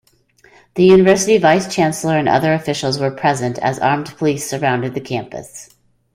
The university vice-chancellor and other officials were present as armed police surrounded the campus.